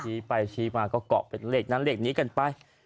ไปชี้มาก็เกาะเป็นเลขนั้นเลขนี้กันไป